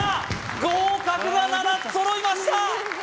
合格は７つ揃いました！